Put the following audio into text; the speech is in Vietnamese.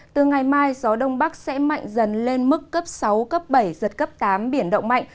từ ngày mai gió đông bắc sẽ mạnh dần lên mức cấp sáu cấp bảy giật cấp tám biển động mạnh